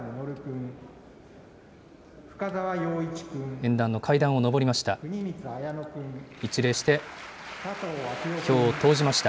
演壇の階段を上りました。